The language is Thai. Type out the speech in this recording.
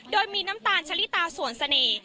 โดยมีน้ำตาลชะลิตาส่วนเสน่ห์